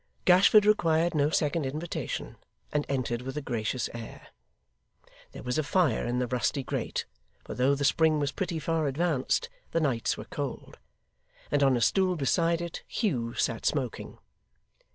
Gashford required no second invitation, and entered with a gracious air. There was a fire in the rusty grate (for though the spring was pretty far advanced, the nights were cold), and on a stool beside it Hugh sat smoking.